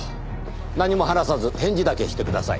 何も話さず返事だけしてください。